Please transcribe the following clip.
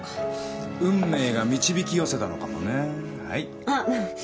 運命が導き寄せたのかもねぇ。